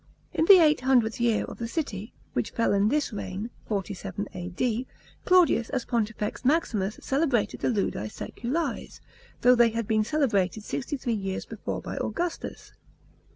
In the eight hundredth year of the city, which fell in this reign (47 A.D.), Claudius as Pontifex Maximus celebrated the Ludi Sseculares, though they had been celebrated sixty three years before by Augustus.